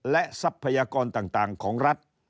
และทรัพยากรต่างของรัฐ